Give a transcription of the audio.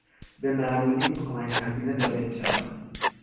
به معلولین کمک هزینه داده میشود.